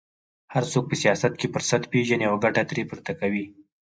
هر څوک په سیاست کې فرصت پېژني او ګټه ترې پورته کوي